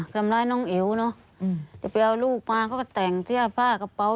ทำร้ายน้องเอ๋วเนอะจะไปเอาลูกมาเขาก็แต่งเสื้อผ้ากระเป๋า